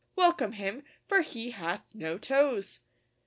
Welcome him, for he hath no toes!